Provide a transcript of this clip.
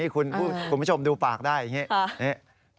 คุณผู้ชมดูปากได้อย่างนี้